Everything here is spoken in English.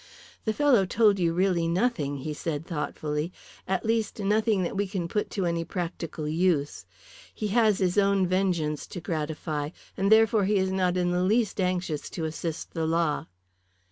"The fellow told you really nothing," he said thoughtfully, "at least, nothing that we can put to any practical use. He has his own vengeance to gratify, and therefore he is not in the least anxious to assist the law."